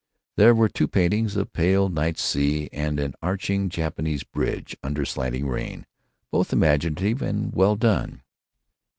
There were two paintings—a pale night sea and an arching Japanese bridge under slanting rain, both imaginative and well done.